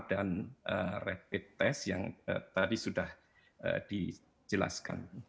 dan rapid test yang tadi sudah dijelaskan